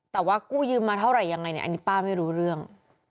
แต่ว่ากู้ยืมมาเท่าไหร่ยังไงเนี่ยอันนี้ป้าไม่รู้เรื่อง